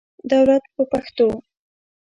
دولت په پښتو.